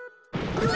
うわ！